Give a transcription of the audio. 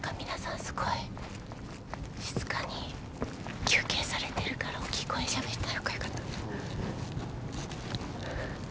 すごい静かに休憩されてるから大きい声でしゃべったら。